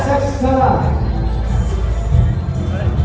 สโลแมคริปราบาล